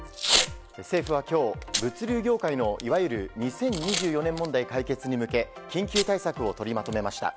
政府は今日物流業界の、いわゆる２０２４年問題解決に向け緊急対策を取りまとめました。